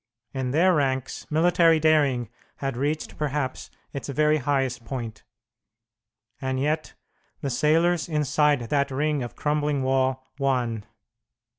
In their ranks military daring had reached, perhaps, its very highest point. And yet the sailors inside that ring of crumbling wall won!